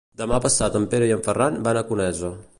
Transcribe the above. Demà passat en Pere i en Ferran van a Conesa.